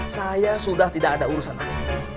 saya sudah tidak ada urusan lain